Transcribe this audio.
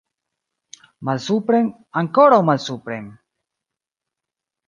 Malsupren, ankoraŭ malsupren!